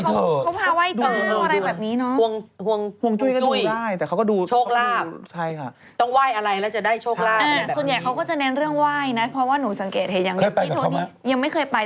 พี่โทนี่เขาก็อยู่ในแกงนี้พี่โทนี่ก็ไป